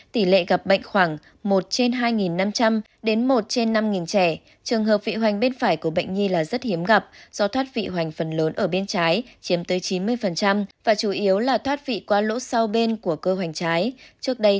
tỷ lệ gặp bệnh khoảng một trên hai năm trăm linh đến một trên năm trẻ trường hợp vị hoành bên phải của bệnh nhi là rất hiếm gặp do thoát vị hoành phần lớn ở bên trái chiếm tới chín mươi và chủ yếu là thoát vị qua lỗ sau bên của cơ hoành trái